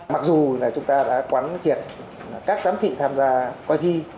mặc dù là chúng ta đã quán triệt các giám thị tham gia coi thi